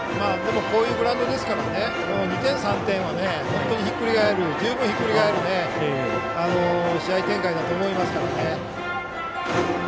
こういうグラウンドですから２点、３点は本当に十分ひっくり返る試合展開だと思いますからね。